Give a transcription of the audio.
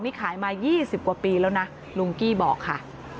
นี่ขายมา๒๐กว่าปีแล้วนะลุงกี้บอกค่ะ